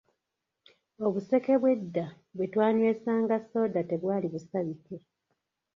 Obuseke bw'edda bwe twanywesanga sooda tebwali busabike.